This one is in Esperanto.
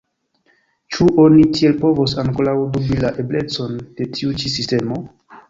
Ĉu oni tiel povos ankoraŭ dubi la eblecon de tiu ĉi sistemo?